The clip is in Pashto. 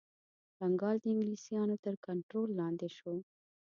بنګال د انګلیسیانو تر کنټرول لاندي شو.